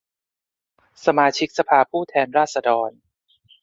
สมาชิกสภาผู้แทนราษฏร